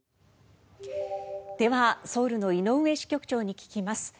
ではソウルの井上支局長に聞きます。